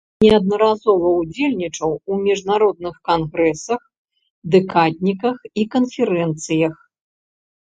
Неаднаразова ўдзельнічаў у міжнародных кангрэсах, дэкадніках і канферэнцыях.